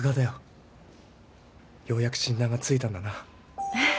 ようやく診断がついたんだな。